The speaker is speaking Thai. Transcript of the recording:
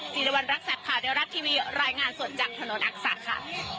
สิรวรรณรักษักขาวเทวรัฐทีวีรายงานส่วนจากถนนอักษักค่ะ